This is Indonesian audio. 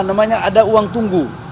namanya ada uang tunggu